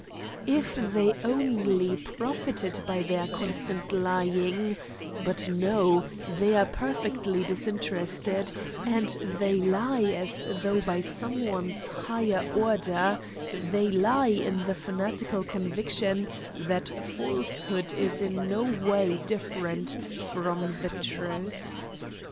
If they only profited by their constant lying but, no; they are perfectly disinterested, and they lie as though by some one's higher order; they lie in the fanatical conviction that falsehood is in no way different from the truth.